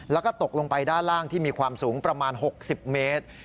แล้วก็ตกลงไปด้านล่างที่มีความสูงประมาณ๖๐เมตร